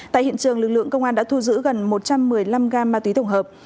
tại hiện trường lực lượng công an đã thu giữ gần một trăm một mươi năm gam ma túy tổng hợp